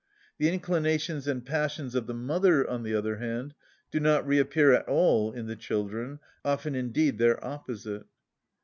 The inclinations and passions of the mother, on the other hand, do not reappear at all in the children, often indeed their opposite.